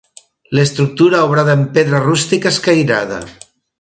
L'estructura obrada en pedra rústica escairada.